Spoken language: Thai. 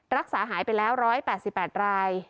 รักษาหายไปแล้ว๑๘๘ราย